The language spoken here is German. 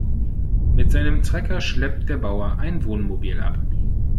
Mit seinem Trecker schleppt der Bauer ein Wohnmobil ab.